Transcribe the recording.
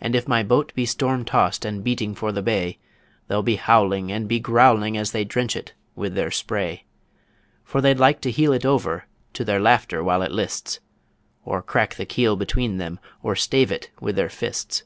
And if my boat be storm toss'd and beating for the bay, They'll be howling and be growling as they drench it with their spray For they'd like to heel it over to their laughter when it lists, Or crack the keel between them, or stave it with their fists.